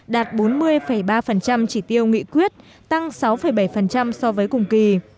đạt bốn mươi ba chỉ tiêu nghị quyết tăng sáu bảy so với cùng kỳ